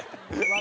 私。